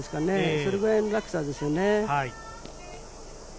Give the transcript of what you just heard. それくらいの落差ですよね。